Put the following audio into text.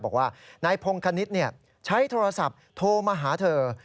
บอกว่านายพงคณิตใช้โทรศัพท์โทรมาหาเธอ